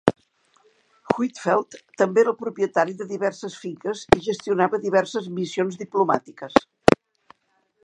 Huitfeldt també era el propietari de diverses finques i gestionava diverses missions diplomàtiques.